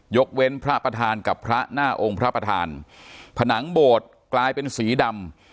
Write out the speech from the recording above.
ยกเว้นพระประธานกับพระหน้าองค์พระประธานผนังโบสถ์กลายเป็นสีดำ